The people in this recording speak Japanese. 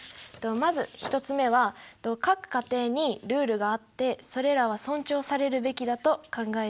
まず１つ目は各家庭にルールがあってそれらは尊重されるべきだと考えているからです。